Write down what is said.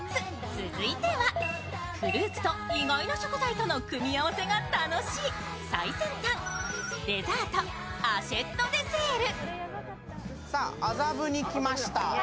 続いては、フルーツと意外な食材との組み合わせが楽しい最先端デザート、アシェットデセール。